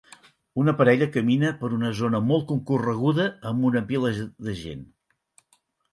Una parella camina per una zona molt concorreguda amb una pila de gent.